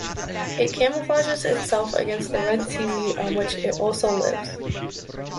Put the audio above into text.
It camouflages itself against the red seaweed on which it also lives.